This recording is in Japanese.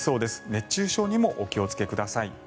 熱中症にもお気をつけください。